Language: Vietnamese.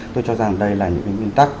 tôi cho rằng đây là những cái nguyên tắc